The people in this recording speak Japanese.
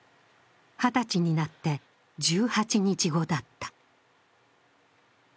２０歳になって１８日後だった。